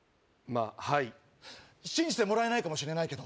あはい信じてもらえないかもしれないけど